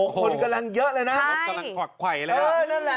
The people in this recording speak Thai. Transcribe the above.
คนกำลังเยอะเลยนะจางกำลังขว่าคว่ายเลยนะเนาะ